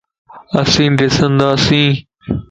اسين ڏسنداسين